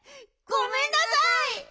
ごめんなさい！